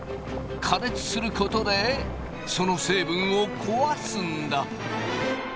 加熱することでその成分を壊すんだ。